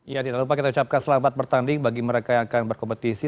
ya tidak lupa kita ucapkan selamat bertanding bagi mereka yang akan berkompetisi